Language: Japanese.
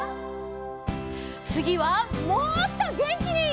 つぎはもっとげんきに！